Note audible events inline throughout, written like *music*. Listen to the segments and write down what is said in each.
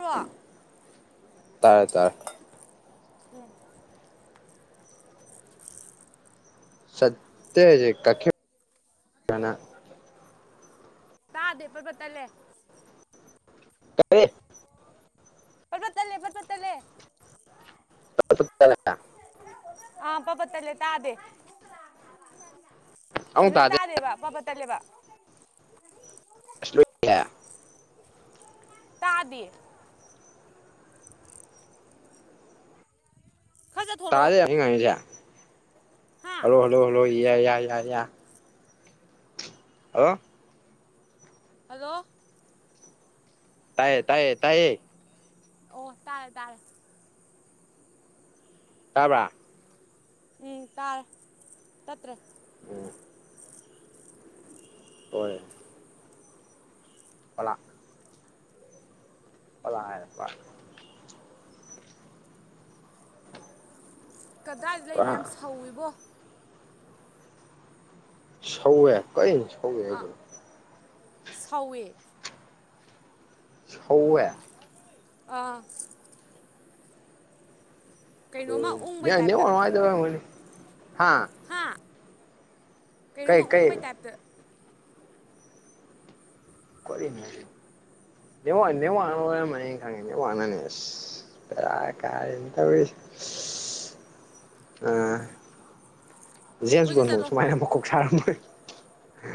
ꯂꯣ ꯇꯥꯔꯦ ꯇꯥꯔꯦ *unintelligible* ꯎꯝ ꯆꯠꯇꯦ ꯀꯛꯄꯤꯝ ꯀꯅ ꯇꯥꯗꯦ ꯕꯠ ꯕꯠ ꯇꯠꯂꯦ ꯀꯔꯤ ꯄꯠꯄꯠ ꯇꯠꯂꯦ ꯄꯠꯄꯠ ꯇꯠꯂꯦ *unintelligible* ꯑꯥ ꯄꯥꯕꯠ ꯇꯠꯂꯦ ꯇꯥꯗꯦ ꯑꯃꯨꯛ ꯐꯖꯅ ꯇꯥꯗꯦ ꯇꯥꯗꯦꯕ ꯄꯥꯕꯠ ꯇꯠꯂꯦꯕ *unintelligible* ꯇꯥꯗꯦ ꯈꯔ ꯆꯠꯊꯣꯔꯛꯑꯣ ꯇꯥꯗꯦ ꯑꯩ ꯉꯥꯡꯉꯤꯖꯦ ꯍꯥ ꯍꯜꯂꯣ ꯍꯜꯂꯣ ꯍꯜꯂꯣ ꯏꯌꯥ ꯏꯌꯥ ꯏꯌꯥ ꯏꯌꯥ ꯍꯜꯂꯣ ꯍꯜꯂꯣ ꯇꯥꯏꯌꯦ ꯇꯥꯏꯌꯦ ꯇꯥꯏꯌꯦ ꯑꯣ ꯇꯥꯔꯦ ꯇꯥꯔꯦ ꯇꯥꯕ꯭ꯔꯥ ꯎꯝ ꯇꯥꯔꯦ ꯇꯠꯇ꯭ꯔꯦ ꯑꯣ ꯍꯣꯏ ꯑꯣꯂꯥ ꯑꯣꯂꯥ ꯍꯥꯏꯔꯛꯄ ꯀꯗꯥꯏꯗ ꯂꯩꯅꯣ ꯄꯨꯔꯥ ꯌꯥꯝ ꯁꯧꯋꯤꯕꯣ ꯁꯧꯋꯦ ꯀꯩꯅꯣ ꯁꯧꯋꯦ ꯑꯥ ꯍꯥꯏꯁꯤꯕꯣ ꯁꯧꯋꯦ ꯍꯧꯋꯦ ꯑꯥ ꯀꯩꯅꯣꯝꯃ ꯎꯝ ꯅꯦ ꯎꯪꯕꯩ ꯅꯦꯋꯥꯛ ꯇꯥꯏꯞꯇ ꯅꯨꯡꯉꯥꯏꯇꯕꯩ ꯑꯣꯏꯔꯝꯒꯅꯤ ꯍꯥ ꯍꯥ ꯀꯩ ꯀꯩꯅꯣꯝꯃ ꯀꯩ ꯎꯪꯕꯩ ꯇꯥꯏꯞꯇꯥ ꯀꯔꯤꯅꯣ ꯍꯥꯏꯁ ꯅꯦꯋꯥꯛꯅ ꯅꯦꯋꯥꯛꯅ ꯑꯣꯏꯔꯝꯃꯅꯤ ꯑꯩ ꯈꯪꯉꯦ ꯅꯦꯋꯥꯛꯅꯅꯦ ꯑꯁ ꯕꯦꯔꯥ ꯀꯥꯔꯦꯅꯦ ꯇꯧꯔꯤꯁꯦ ꯏꯁ ꯑꯥ ꯀꯣꯏꯆꯠ ꯖꯦꯝꯁꯕꯣꯟꯕꯣꯛ ꯆꯠꯂꯣ ꯁꯨꯃꯥꯏꯅ ꯃꯀꯣꯛ ꯁꯥꯔꯝꯃꯣꯏ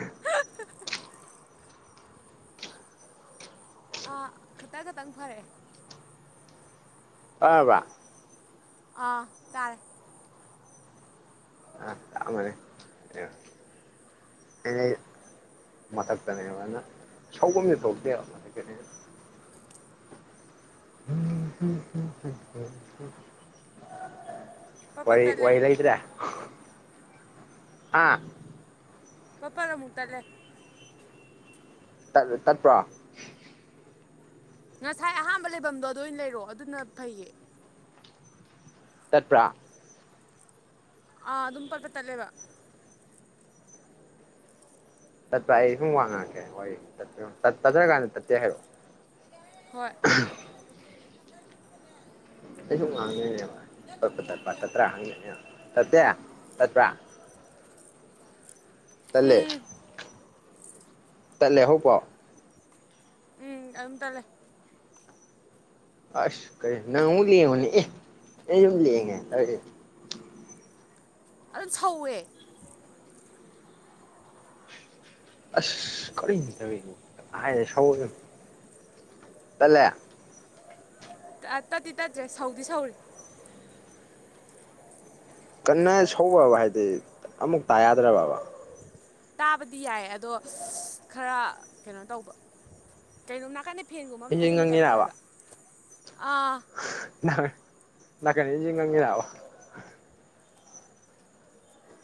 *unintelligible* ꯑꯥ ꯈꯇ ꯈꯇꯪ ꯐꯔꯛꯑꯦ ꯇꯥꯔꯕ꯭ꯔꯥ ꯑꯥ ꯇꯥꯔꯦ ꯇꯔꯝꯒꯅꯤ *unintelligible* ꯃꯊꯛꯇꯅꯦꯕꯅ ꯁꯧꯕꯝꯗꯤ ꯊꯣꯛꯇꯦꯕ ꯃꯊꯛꯇꯅꯤꯅ ꯎꯝ ꯍꯨꯝ ꯍꯨꯝ ꯍꯨꯝ ꯍꯨꯝ ꯄꯠ ꯄꯠ ꯋꯥꯔꯤ ꯇꯠꯂꯦ ꯋꯥꯔꯤ ꯂꯩꯇ꯭ꯔꯦ ꯍꯥ ꯄꯄꯥꯠ ꯑꯃꯨꯛ ꯇꯠꯂꯦ ꯇꯠ ꯇꯠꯄ꯭ꯔꯣ ꯉꯁꯥꯏ ꯑꯍꯥꯟꯕ ꯂꯩꯕꯝꯗꯣ ꯑꯗꯨ ꯑꯣꯏ ꯂꯩꯔꯛꯑꯣ ꯑꯗꯨꯅ ꯐꯩꯌꯦ ꯇꯠꯄ꯭ꯔꯥ ꯑꯥ ꯑꯗꯨꯝ ꯄꯠ ꯄꯠ ꯇꯠꯂꯦꯕ ꯇꯠꯄ꯭ꯔꯥ ꯑꯩ ꯁꯨꯝ ꯋꯥ ꯉꯥꯡꯉꯛꯀꯦ ꯋꯥꯔꯤ ꯇꯠꯄ꯭ꯔꯥ ꯌꯦꯡꯉꯣ ꯇꯠ ꯇꯠꯇ꯭ꯔꯥꯀꯥꯟꯗ ꯇꯠꯇꯦ ꯍꯥꯏꯔꯛꯑꯣ ꯍꯣꯏ ꯑꯩꯁꯨꯨꯝ ꯉꯥꯡꯗꯣꯏꯅꯦꯕ ꯄꯠ ꯄꯠ ꯇꯠꯄ ꯇꯠꯇ꯭ꯔꯥ ꯍꯪꯗꯣꯏꯅꯦꯕ ꯇꯠꯇꯦ ꯇꯠꯄ꯭ꯔꯥ ꯇꯟꯂꯦ ꯎꯝ ꯇꯟꯂꯦ ꯍꯧꯄꯥꯎ ꯎꯝ ꯑꯗꯨꯝ ꯇꯠꯂꯦ ꯑꯁ ꯀꯩ ꯅꯪꯑꯃꯨꯛ ꯂꯦꯡꯉꯣꯅꯦ ꯑꯦ ꯑꯩꯁꯨꯝ ꯂꯦꯡꯉꯦ *unintelligible* ꯑꯗꯨꯝ ꯁꯧꯋꯦ ꯑꯁ ꯀꯔꯤꯅꯣ ꯇꯧꯏꯖꯤꯕꯨ ꯑꯥꯏꯗ ꯁꯧꯒꯤꯝ ꯇꯜꯂꯦ ꯑꯥ ꯇꯠꯇꯤ ꯇꯠꯇ꯭ꯔꯦ ꯁꯧꯗꯤ ꯁꯧꯔꯤ ꯀꯟꯅ ꯁꯧꯕ꯭ꯔꯕꯥ ꯍꯥꯏꯗꯤ ꯑꯃꯨꯛ ꯇꯥ ꯌꯥꯗ꯭ꯔꯕꯥꯕ ꯇꯥꯕꯗꯤ ꯌꯥꯏ ꯑꯗꯣ ꯈꯔ ꯀꯩꯅꯣ ꯇꯧꯕ ꯀꯩꯅꯣꯝ ꯅꯥꯀꯟꯗꯩ ꯐꯦꯟꯒꯨꯝꯕ ꯑꯃ ꯏꯟꯖꯤꯟ ꯊꯥꯖꯟꯕꯩ ꯇꯥꯏꯞ ꯇꯧꯋꯦ ꯉꯪꯉꯤꯔꯕ ꯍꯥꯏꯕ ꯑꯥ ꯅꯥꯀꯟ ꯅꯥꯀꯟ ꯏꯟꯖꯤꯟ ꯉꯪꯉꯤꯔꯥꯕ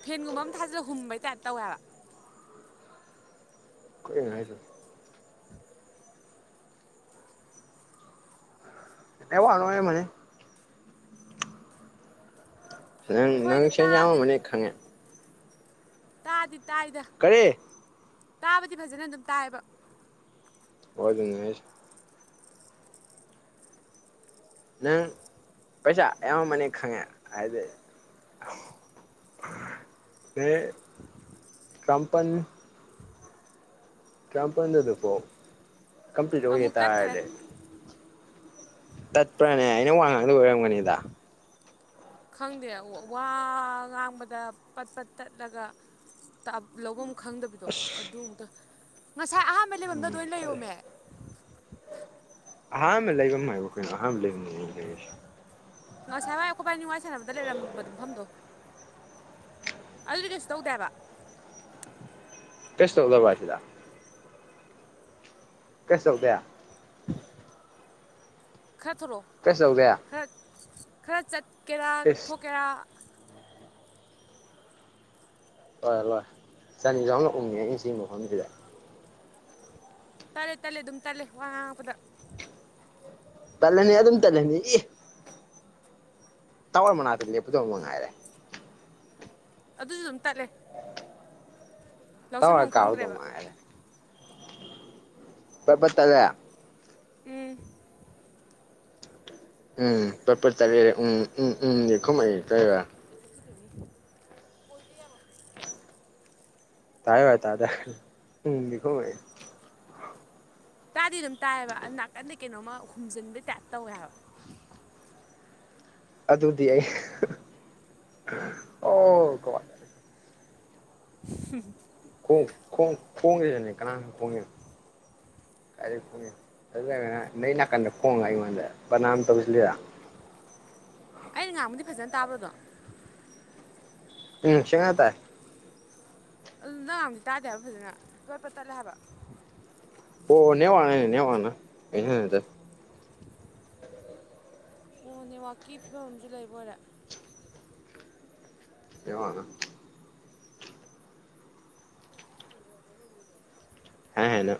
ꯐꯦꯟꯒꯨꯝꯕ ꯑꯃ ꯊꯥꯖꯤꯜꯂ ꯍꯨꯝꯕꯩ ꯇꯥꯏꯞ ꯇꯧꯋꯦ ꯍꯥꯏꯕ ꯀꯩꯅꯣ ꯍꯥꯏꯁꯤꯕꯣ *unintelligible* ꯅꯦꯠꯋꯥꯛꯅ ꯑꯣꯏꯔꯝꯃꯅꯤ ꯅꯪ ꯅꯪ ꯍꯣꯏꯗ ꯁꯦꯟ ꯇꯥꯕꯗꯤ ꯌꯥꯝꯃꯝꯃꯅꯤ ꯈꯪꯉꯦ ꯇꯥꯗꯤ ꯇꯥꯏꯗ ꯀꯔꯤ ꯇꯥꯕꯗꯤ ꯐꯖꯅ ꯑꯗꯨꯝ ꯇꯥꯏꯕ ꯑꯣ ꯑꯗꯨꯅꯦ ꯍꯥꯏꯁꯦ ꯅꯪ ꯄꯩꯁꯥ ꯑꯌꯥꯝꯃꯅꯤ ꯈꯪꯉꯦ ꯍꯥꯏꯗꯤ *unintelligible* ꯀꯝꯄꯟ ꯇꯔꯥꯝꯄꯜꯗ ꯑꯗꯨꯐꯥꯎ ꯀꯝꯄ꯭ꯂꯤꯠ ꯑꯣꯏꯒꯦ ꯑꯃꯨꯛ ꯇꯠꯈ꯭ꯔꯦ ꯍꯥꯏꯇꯥꯔꯗꯤ ꯇꯠꯄ꯭ꯔꯥꯅꯦ ꯑꯩꯅ ꯋꯥ ꯉꯥꯡꯗꯕꯩ ꯑꯣꯏꯔꯝꯒꯅꯤꯗ ꯈꯪꯗꯦ ꯋꯥ ꯉꯥꯡꯕꯗ ꯄꯠ ꯄꯠ ꯇꯠꯂꯒ ꯇꯥ ꯂꯧꯕꯝ ꯈꯪꯗꯕꯤꯗꯣ ꯑꯁ ꯑꯗꯨꯃꯨꯛ ꯇꯧꯏ ꯉꯁꯥꯏ ꯑꯍꯥꯟꯕ ꯂꯩꯕꯝꯗꯣ ꯎꯝ ꯑꯗꯨꯑꯣꯏ ꯐꯔꯦ ꯂꯩꯌꯣꯃꯦ ꯑꯍꯥꯥꯟꯕ ꯂꯩꯕꯝ ꯍꯥꯏꯕꯨ ꯀꯩꯅꯣ ꯑꯍꯥꯟꯕ ꯂꯩꯕꯝꯗꯨꯅꯦ ꯑꯩꯅ ꯂꯩꯔꯤꯁꯦ ꯉꯁꯥꯏ ꯋꯥꯏ ꯑꯩꯈꯣꯏ ꯕꯥꯟꯅꯤ ꯋꯥꯔꯤ ꯁꯥꯟꯅꯕꯗ ꯂꯩꯔꯝꯕ ꯃꯐꯝꯗꯣ ꯑꯗꯨꯗꯤ ꯀꯩꯁꯨ ꯇꯧꯗꯦ ꯍꯥꯏꯕ ꯀꯩꯁꯨ ꯇꯧꯗꯕ꯭ꯔꯥ ꯑꯁꯤꯗ ꯀꯩꯁꯨ ꯇꯧꯗꯦ ꯈꯔ ꯊꯣꯔꯛꯑꯣ ꯀꯩꯁꯨ ꯇꯧꯗꯦ ꯈꯔ ꯈꯔ ꯆꯠꯀꯦꯔꯥ ꯏꯁ ꯊꯣꯛꯀꯦꯔꯥ *unintelligible* ꯆꯅꯤ ꯆꯍꯨꯝꯂꯛ ꯎꯪꯉꯦ ꯑꯩ ꯁꯤ ꯃꯐꯝꯁꯤꯗ ꯇꯠꯂꯦ ꯇꯠꯂꯦ ꯑꯗꯨꯝ ꯇꯠꯂꯦ ꯋꯥ ꯉꯥꯡꯉꯛꯄꯗ ꯇꯠꯂꯅꯤ ꯑꯗꯨꯝ ꯇꯠꯂꯅꯤ ꯏ ꯇꯥꯎꯋꯔ ꯃꯅꯥꯛꯇ ꯂꯦꯄꯨꯗꯧꯕ ꯃꯉꯥꯏꯔꯦ ꯑꯗꯨꯁꯨ ꯑꯗꯨꯝ ꯇꯠꯂꯦ ꯇꯥꯋꯥꯔ ꯂꯧꯁꯟꯐꯝ ꯀꯥꯔꯨꯗꯧ ꯈꯪꯗ꯭ꯔꯦꯕ ꯉꯥꯏꯔꯦ ꯄꯠ ꯄꯠ ꯇꯠꯂꯦ ꯎꯝ ꯎꯝ ꯄꯠ ꯄꯠ ꯇꯠꯂꯦꯗꯤ ꯎꯝ ꯎꯝ ꯎꯝꯗꯤ ꯈꯨꯝꯃꯛꯏ ꯇꯧꯏꯕ *unintelligible* ꯑꯣꯏꯕ ꯌꯥꯔꯣꯏ *unintelligible* ꯇꯥꯗꯦ ꯎꯪꯗꯤ ꯈꯨꯝꯃꯛꯏ ꯇꯥꯗꯤ ꯑꯗꯨꯝ ꯇꯥꯏꯑꯦꯕ ꯅꯥꯀꯟꯗꯩ ꯀꯩꯅꯣꯝꯃ ꯍꯨꯝꯖꯤꯟꯕ ꯇꯥꯏꯞ ꯇꯧꯋꯦ ꯍꯥꯏꯕ ꯑꯗꯨꯗꯤ ꯑꯩ ꯑꯣ ꯒꯣꯗ *unintelligible* ꯈꯣꯡ ꯈꯣꯡ ꯈꯣꯡꯒꯦ *unintelligible* ꯀꯅꯥꯅ ꯈꯣꯡꯉꯤ *unintelligible* *unintelligible* ꯅꯣꯏ ꯅꯥꯀꯟꯗ ꯈꯣꯡꯉꯒ ꯑꯩꯉꯣꯟꯗ ꯕꯗꯅꯥꯝ ꯇꯧꯁꯤꯜꯂꯤꯔ ꯑꯩꯅ ꯉꯥꯡꯕꯗꯤ ꯐꯖꯅ ꯇꯥꯕ꯭ꯔꯣꯗꯣ ꯎꯝ ꯁꯦꯡꯅ ꯇꯥꯏ ꯑꯗꯨ ꯅꯪꯅ ꯉꯥꯡꯕꯗꯤ ꯇꯥꯗꯦ ꯍꯥꯏꯕ ꯐꯖꯅ ꯄꯠ ꯄꯠ ꯇꯠꯂꯦ ꯍꯥꯏꯕ ꯑꯣ ꯅꯦꯋꯥꯛꯅꯅꯦ ꯅꯦꯋꯥꯛꯅ ꯑꯩꯁꯤꯅ ꯅꯠꯇꯦ *inaudible* ꯑꯣ ꯅꯦꯠꯋꯥꯛꯀꯤ ꯐꯤꯕꯝ ꯑꯝꯖꯨ ꯂꯩꯕ ꯑꯣꯏꯔꯦ ꯅꯦꯠꯋꯥꯛꯅ ꯍꯪꯒꯣꯏꯕꯔ ꯅꯪꯕꯣ ꯍꯥꯢ ꯍꯥꯢꯅ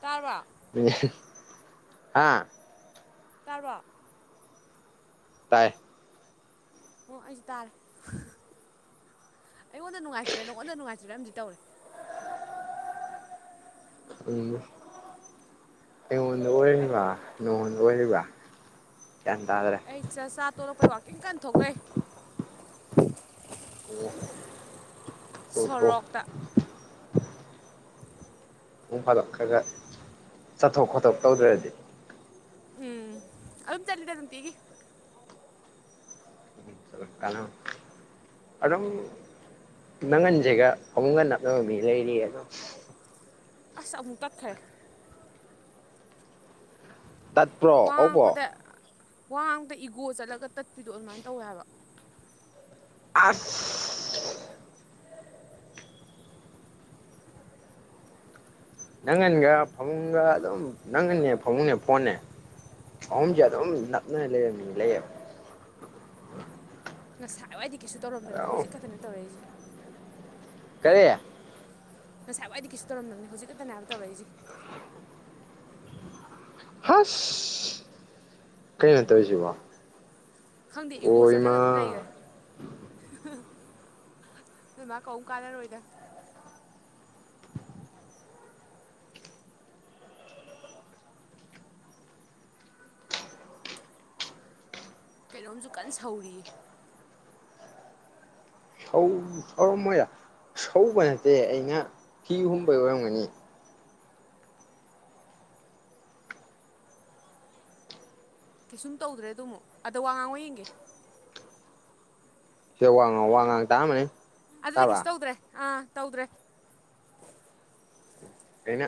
ꯇꯥꯔꯕ *unintelligible* ꯍꯥ ꯇꯥꯔꯕ ꯇꯥꯏ ꯑꯣ ꯑꯩꯁꯨ ꯇꯥꯔꯦ ꯑꯩꯉꯣꯟꯗ ꯅꯨꯡꯉꯥꯏꯇ꯭ꯔꯤꯔ ꯅꯉꯣꯟꯗ ꯅꯨꯡꯉꯥꯏꯇ꯭ꯔꯤꯔ ꯑꯝꯗꯤ ꯇꯧꯔꯦ ꯎꯝ ꯑꯩꯉꯣꯟꯗ ꯑꯩ ꯑꯣꯏꯔꯤꯕ ꯅꯉꯣꯟꯗ ꯑꯣꯏꯔꯤꯕ ꯒ꯭ꯌꯥꯟ ꯇꯥꯗ꯭ꯔꯦ ꯑꯩ ꯆꯥꯆꯥꯥ ꯇꯣꯂꯛꯄꯩ ꯋꯥꯛꯀꯤꯡ ꯀꯟ ꯊꯣꯛꯂꯛꯏ ꯊꯣꯛꯑꯣ ꯁꯣꯔꯣꯛꯇ ꯅꯣꯡ ꯐꯥꯗꯣꯛ ꯈꯔꯒ ꯆꯠꯊꯣꯛ ꯈꯣꯠꯇꯣꯛ ꯇꯧꯗ꯭ꯔꯗꯤ ꯎꯝ ꯑꯗꯨꯝ ꯆꯠꯂꯤꯗ ꯅꯨꯡꯇꯤꯒꯤ ꯀꯥꯅꯝ ꯑꯗꯨꯝ ꯅꯪꯒꯟꯖꯤꯒ ꯐꯃꯨꯡꯒ ꯅꯞꯅꯕ ꯃꯤ ꯂꯩꯔꯤꯌꯦ ꯑꯃ ꯑꯁ ꯑꯃꯨꯛ ꯇꯠꯈ꯭ꯔꯦ ꯇꯠꯄ꯭ꯔꯣ ꯋꯥ ꯍꯧꯕ꯭ꯔꯣ ꯉꯥꯡꯉꯛꯄꯗ ꯋꯥ ꯉꯥꯡꯗ ꯏꯒꯣ ꯆꯠꯂꯒ ꯇꯠꯄꯤꯗꯣ ꯑꯗꯨꯃꯥꯏ ꯇꯧꯋꯦ ꯍꯥꯏꯕ ꯑꯁ ꯅꯪꯒꯟꯒ ꯐꯃꯨꯡꯒ ꯑꯗꯨꯝ ꯅꯪꯒꯟꯅꯦ ꯐꯃꯨꯡꯅꯦ ꯐꯣꯟꯅꯦ ꯑꯍꯨꯝꯁꯦ ꯑꯗꯨꯝ ꯅꯞꯅꯔ ꯂꯩꯕ ꯃꯤ ꯂꯩꯌꯦꯕ ꯉꯁꯥꯏ ꯋꯥꯏꯗꯤ ꯀꯩꯁꯨ ꯇꯧꯔꯝꯗꯕꯅꯤ ꯑꯗꯨꯝ ꯍꯧꯖꯤꯛ ꯈꯛꯇꯅꯦ ꯇꯧꯔꯛꯏꯖꯦ ꯀꯔꯤ ꯉꯁꯥꯏ ꯋꯥꯏꯗꯤ ꯀꯩꯁꯨ ꯇꯧꯔꯝꯗꯕꯅꯦ ꯍꯧꯖꯤꯛ ꯈꯛꯇꯅꯦ ꯍꯥꯏꯕ ꯇꯧꯔꯛꯏꯖꯦ ꯍꯥꯁ ꯀꯩꯅꯣ ꯇꯧꯏꯁꯤꯕꯣ ꯈꯪꯗꯦ ꯏꯒꯣ ꯆꯠꯂꯒ ꯑꯗꯨꯝ ꯂꯩꯒ꯭ꯔꯦ ꯅꯣꯢ ꯃꯥ ꯀꯧꯝ ꯀꯥꯟꯅꯔꯣꯏꯗ ꯀꯩꯅꯣꯝꯖꯨ ꯀꯟ ꯁꯧꯔꯤꯌꯦ ꯁꯧ ꯁꯧꯔꯝꯃꯣꯏꯗ ꯁꯧꯕ ꯅꯠꯇꯦ ꯑꯩꯅ ꯐꯤ ꯍꯨꯝꯕꯩ ꯑꯣꯏꯔꯝꯒꯅꯤ ꯀꯩꯁꯨꯝ ꯇꯧꯗ꯭ꯔꯦ ꯑꯗꯨꯃꯨꯛ ꯑꯗ ꯋꯥ ꯉꯥꯡꯉꯣ ꯌꯦꯡꯒꯦ ꯁꯦ ꯋꯥ ꯉꯥꯡꯑꯣ ꯋꯥ ꯉꯥꯡ ꯇꯥꯔꯝꯃꯅꯤ ꯑꯗꯨꯗꯤ ꯇꯥꯕ꯭ꯔꯥ ꯀꯩꯁꯨ ꯇꯧꯗ꯭ꯔꯦ ꯑꯥ ꯇꯧꯗ꯭ꯔꯦ ꯑꯩꯅ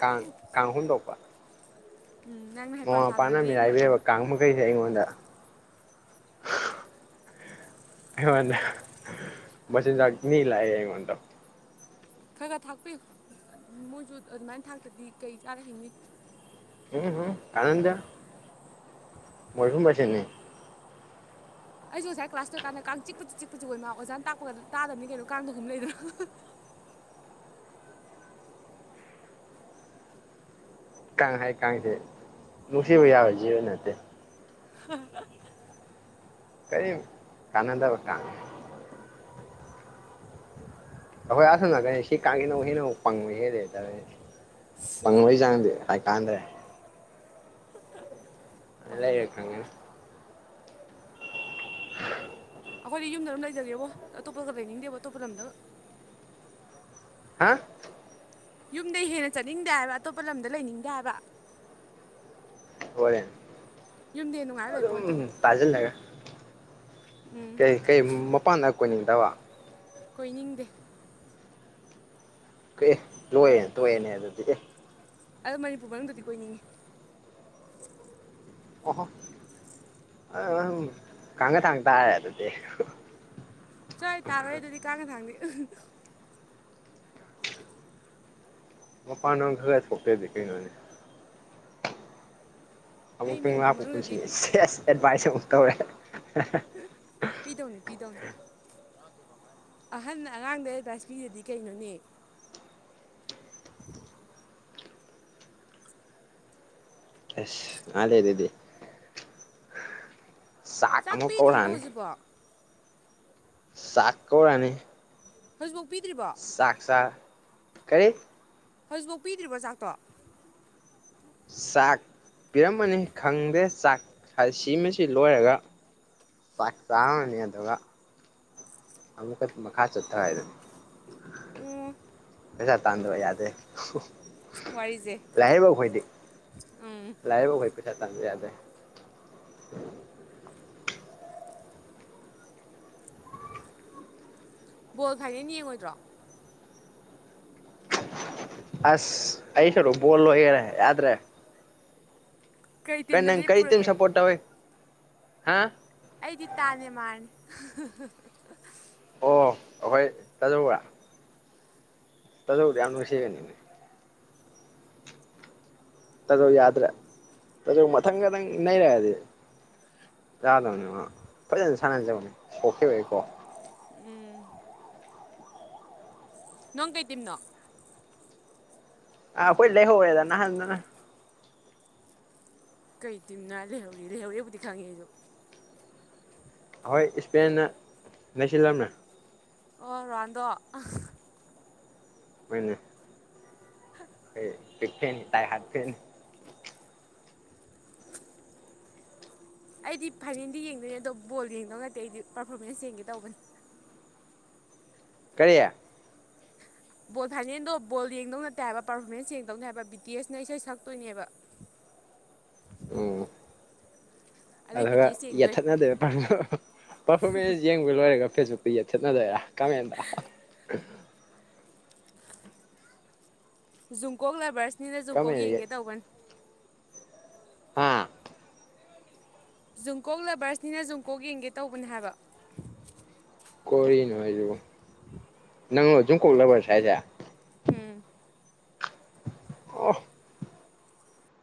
ꯀꯥꯡ ꯀꯥꯡ ꯍꯨꯝꯗꯣꯛꯄ ꯎꯝ ꯅꯪ ꯃꯃꯥ ꯃꯄꯥꯅ ꯃꯤꯔꯥꯏꯕꯤꯔꯕ ꯀꯥꯡ ꯃꯈꯩꯁꯦ ꯑꯩꯉꯣꯟꯗ ꯑꯩꯉꯣꯟꯗ ꯃꯆꯤꯟꯖꯥꯛ ꯅꯤ ꯂꯥꯛꯑꯦ ꯑꯩꯉꯣꯟꯗ ꯈꯔ ꯈꯔ ꯊꯥꯛꯄꯤꯌꯨ ꯃꯣꯏꯖꯨ ꯑꯗꯨꯃꯥꯏꯅ ꯊꯥꯛꯇꯗꯤ ꯀꯩ ꯆꯥꯔ ꯍꯤꯡꯅꯤ *unintelligible* ꯑꯩꯖꯨ ꯉꯁꯥꯏ ꯀ꯭ꯂꯥꯁ ꯇꯧꯔꯤꯀꯥꯟꯗ ꯀꯥꯡ ꯆꯤꯄꯗꯤ ꯆꯤꯛꯄꯁꯤ ꯑꯣꯏꯃꯥ ꯑꯣꯖꯥꯅ ꯇꯥꯛꯄꯒꯗꯨ ꯇꯥꯗꯕꯅꯤ ꯀꯩꯅꯣ ꯀꯥꯡꯗꯨ ꯍꯨꯝ ꯂꯩꯗꯅ ꯀꯥꯡ ꯍꯥꯢꯕ ꯀꯥꯡꯁꯦ ꯅꯨꯡꯁꯤꯕ ꯌꯥꯕ ꯖꯤꯕ ꯅꯠꯇꯦ *unintelligible* ꯀꯩꯌꯝ ꯀꯥꯟꯅꯗꯕ ꯀꯥꯡꯅꯦ ꯑꯩꯈꯣꯏ ꯑꯥꯁꯣꯝ ꯅꯀꯟ ꯁꯤ ꯀꯥꯡꯖꯤꯅꯃꯨꯛ ꯍꯦꯟꯅ ꯄꯪꯕ ꯍꯦꯜꯂꯦ ꯇꯧꯌꯤ ꯄꯪꯪꯕꯩ ꯆꯥꯡꯗꯤ ꯍꯥꯏ ꯀꯥꯟꯗ꯭ꯔꯦ ꯂꯩꯔꯥ ꯄꯪꯉꯦ ꯇꯥꯏ ꯈꯪꯒꯅꯤ *unintelligible* ꯑꯈꯣꯏꯗꯤ ꯌꯨꯝꯗ ꯑꯗꯨꯝ ꯂꯩꯖꯒꯦꯕꯣ ꯑꯇꯣꯞꯄꯒ ꯂꯩꯅꯤꯡꯗꯦꯕꯣ ꯑꯇꯣꯞꯄ ꯂꯝꯗꯒ ꯍꯥ ꯌꯨꯝꯗꯩ ꯍꯦꯟꯅ ꯆꯠꯅꯤꯡꯗꯦ ꯍꯥꯏꯕ ꯑꯇꯣꯞꯄ ꯂꯝꯗ ꯂꯩꯅꯤꯡꯗꯦ ꯍꯥꯏꯕ ꯍꯣꯏ ꯌꯨꯝꯗꯩ ꯍꯦꯟꯅ ꯅꯨꯡꯉꯥꯏꯕ ꯂꯩ ꯑꯗꯨꯝ ꯇꯥꯁꯤꯜꯂꯒ ꯎꯝ ꯀꯩ ꯀꯩ ꯃꯄꯥꯟꯗ ꯀꯣꯏꯅꯤꯡꯇꯕ ꯀꯣꯏꯅꯤꯡꯗꯦ ꯀꯦ ꯑꯦ ꯂꯣꯏꯔꯦꯅꯦ ꯇꯣꯛꯑꯦꯅꯦ ꯑꯗꯨꯗꯤ ꯑꯦ ꯑꯗꯨ ꯃꯅꯤꯄꯨꯔ ꯃꯅꯨꯡꯗꯗꯤ ꯀꯣꯏꯅꯤꯡꯉꯤ ꯑꯣꯍꯣ ꯑꯥ ꯅꯪ ꯀꯥꯡꯒ ꯊꯥꯡ ꯇꯥꯔꯦ ꯑꯗꯨꯗꯤ ꯆꯣꯍꯦ ꯇꯥꯔꯣꯢ ꯑꯗꯨꯗꯤ ꯀꯥꯡꯒ ꯊꯥꯡꯗꯤ ꯃꯄꯥꯟ ꯅꯨꯡ ꯈꯔ ꯈꯔ ꯊꯣꯛꯇ꯭ꯔꯗꯤ ꯀꯩꯅꯣꯅꯦ ꯑꯩ ꯑꯃꯨꯛꯇꯪ ꯃꯅꯤꯄꯨꯔ ꯂꯥꯛꯄ ꯃꯅꯨꯡꯗꯗꯤ ꯄꯨꯟꯁꯤꯅꯤ ꯁꯦꯁ ꯑꯦꯗꯚꯥꯏꯁ ꯑꯃꯨꯛ ꯇꯧꯔꯦ ꯄꯤꯗꯧꯅꯤ ꯄꯤꯗꯧꯅꯤ ꯑꯍꯟꯅ ꯑꯉꯥꯡꯗ ꯑꯦꯗꯚꯥꯏꯁ ꯄꯤꯗꯗꯤ ꯀꯩꯅꯣꯅꯦ ꯑꯁ ꯃꯥꯜꯂꯦ ꯑꯗꯨꯗꯤ ꯆꯥꯛ ꯑꯃꯨꯛ ꯄꯤꯗ꯭ꯔꯤꯕꯣ ꯀꯧꯔꯛꯑꯅꯤ ꯍꯨꯖꯤꯛꯕꯥꯎ ꯆꯥꯛ ꯀꯧꯔꯑꯅꯤ ꯍꯧꯖꯤꯐꯤꯎ ꯄꯤꯗ꯭ꯔꯤꯕꯣ ꯆꯥꯛꯆꯥꯥ ꯀꯔꯤ ꯍꯧꯖꯤꯐꯥꯎ ꯄꯤꯗ꯭ꯔꯤꯕꯣ ꯆꯥꯛꯇꯣ ꯆꯥꯛ ꯄꯤꯔꯝꯃꯅꯤ ꯈꯪꯗꯦ ꯆꯥꯛ ꯁꯤꯃꯁꯤ ꯂꯣꯏꯔꯒ ꯆꯥꯛ ꯆꯥꯃꯅꯤ ꯑꯗꯨꯒ ꯑꯃꯨꯛꯀꯁꯨ ꯃꯈꯥ ꯆꯠꯊ ꯍꯥꯏꯗꯨꯅꯤ ꯎꯝ ꯄꯩꯁꯥ ꯇꯥꯟꯗꯕ ꯌꯥꯗꯦ ꯋꯥꯔꯤꯁꯦ ꯂꯥꯏꯔꯕ ꯑꯈꯣꯏꯗꯤ ꯎꯝ ꯂꯥꯏꯔꯕ ꯑꯩꯈꯣꯏ ꯄꯩꯁꯥ ꯇꯥꯟꯗ ꯌꯥꯗ꯭ꯔꯦ ꯕꯣꯜ ꯐꯥꯏꯅꯦꯜ ꯌꯦꯡꯉꯣꯏꯗ꯭ꯔꯣ ꯑꯁ ꯑꯩ ꯁꯔꯨꯛ ꯕꯣꯜ ꯂꯣꯏꯒꯔꯦ ꯌꯥꯗ꯭ꯔꯦ ꯀꯩ ꯇꯤꯝꯗ ꯅꯪ ꯀꯔꯤ ꯇꯤꯝ ꯂꯦꯞꯄꯨꯔꯒꯦ ꯁꯄꯣꯔꯠ ꯇꯧꯋꯤ ꯍꯥ ꯑꯩꯗꯤ ꯇꯥ ꯅꯦꯃꯥꯔꯅꯦ ꯑꯣ ꯑꯈꯣꯏ ꯇꯥꯖꯧꯔꯥ ꯇꯖꯧꯗꯨ ꯌꯥꯝ ꯅꯨꯡꯁꯤꯕꯅꯤꯅꯦ ꯇꯥꯖꯧ ꯌꯥꯗ꯭ꯔꯦ ꯇꯥꯖꯧ ꯃꯊꯪꯒꯗꯪ ꯅꯩꯔꯛꯑꯗꯤ ꯌꯥꯗꯣꯅꯤ ꯃꯥ ꯐꯖꯟ ꯁꯥꯟꯅꯗꯧꯅꯤ ꯁꯣꯛꯈꯤꯕꯩꯀꯣ ꯎꯝ ꯅꯡ ꯀꯩ ꯇꯤꯝꯅꯣ ꯑꯥ ꯑꯈꯣꯢ ꯂꯩꯍꯧꯔꯗ ꯅꯍꯥꯟꯅꯅ ꯀꯩ ꯇꯤꯝꯅꯣ ꯂꯩꯍꯧꯔꯦ ꯂꯩꯍꯧꯔꯦꯕꯨꯗꯤ ꯈꯪꯉꯦ ꯑꯩꯁꯨ ꯑꯍꯣꯏ ꯏꯁꯄꯦꯟꯅ ꯅꯩꯁꯤꯜꯂꯝꯃꯦ ꯑꯣ ꯔꯣꯑꯟꯗꯣ ꯍꯣꯢꯅꯦ ꯑꯩ ꯕꯤꯠꯇꯦꯟꯅꯦ ꯗꯥꯏ ꯍꯥꯠ ꯐꯦꯟꯅꯤ ꯑꯩꯗꯤ ꯐꯥꯏꯅꯦꯜꯗꯤ ꯌꯦꯡꯗꯣꯏꯅꯦ ꯑꯗꯣ ꯕꯣꯜ ꯌꯦꯡꯗꯧ ꯅꯠꯇꯦ ꯑꯩꯗꯤ ꯄꯥꯔꯐꯣꯔꯃꯦꯟꯁ ꯌꯦꯡꯒꯦ ꯇꯧꯕꯅꯤ ꯀꯔꯤ ꯕꯣꯜ ꯐꯥꯏꯅꯦꯜꯗꯣ ꯕꯣꯜ ꯌꯦꯡꯗꯧ ꯅꯠꯇꯦ ꯍꯥꯏꯕ ꯄꯥꯔꯐꯣꯔꯃꯦꯟꯁ ꯌꯦꯡꯗꯧꯅꯤ ꯍꯥꯏꯕ ꯕꯤꯇꯤꯑꯦꯁꯅ ꯏꯁꯩ ꯁꯛꯇꯣꯏꯅꯦꯕ ꯑꯣ ꯑꯗꯨꯏ ꯕꯤ ꯑꯗꯨꯒ ꯇꯤ ꯑꯦꯁ ꯌꯦꯡꯗꯣꯏꯅꯦ ꯌꯦꯠꯊꯠꯅꯗꯣꯢꯕ ꯄꯥꯔꯐꯣꯔꯃꯦꯟꯁ ꯌꯦꯡꯕ ꯂꯣꯏꯔꯒ ꯐꯦꯁꯕꯨꯛ ꯄꯤ ꯌꯦꯠꯊꯠꯅꯔꯦ ꯀꯝꯃꯦꯟꯇ ꯍꯥ ꯍꯥ ꯖꯨꯡꯀꯣꯛ ꯑꯥꯕꯔꯁꯅꯤꯅ ꯖꯨꯡꯀꯣꯛ ꯀꯃꯦꯟ ꯌꯦꯡꯒꯦ ꯇꯧꯕꯅꯤ ꯍꯥ ꯖꯨꯡꯀꯣꯛ ꯂꯕꯔꯁꯅꯤꯅ ꯖꯨꯡꯀꯣꯛ ꯌꯦꯡꯒꯦ ꯇꯧꯕꯅꯤ ꯍꯥꯏꯕ ꯀꯣꯔꯤꯑꯦꯟ ꯑꯣꯏꯔꯗꯤꯕꯣ ꯅꯪꯂꯣ ꯖꯨꯡꯀꯣꯛ ꯂꯕꯔꯁ ꯍꯥꯏꯁꯦ ꯎꯝ ꯑꯣ